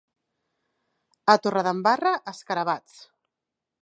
A Torredembarra, escarabats.